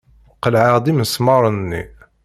Qelɛeɣ-d imesmaṛen-nni.